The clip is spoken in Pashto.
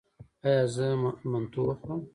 ایا زه منتو وخورم؟